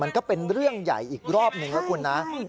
มันก็เป็นเรื่องใหญ่อีกรอบหนึ่งแล้วคุณนะ